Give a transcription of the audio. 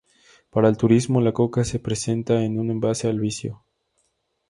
Para el turismo, la coca se presenta en un envase al vacío.